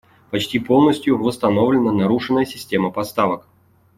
Почти полностью восстановлена нарушенная система поставок.